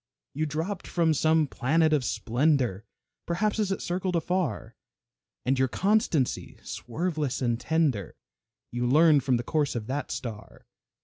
You dropped from some planet of splendor, Perhaps as it circled afar, And your constancy, swerveless and tender, You learned from the course of that star.